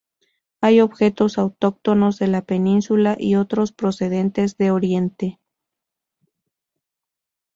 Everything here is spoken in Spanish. Hay objetos autóctonos de la península y otros procedentes de oriente.